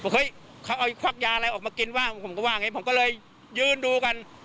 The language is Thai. เฮ้ยเขาเอาควักยาอะไรออกมากินบ้างผมก็ว่าไงผมก็เลยยืนดูกัน